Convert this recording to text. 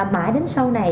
mãi đến sau này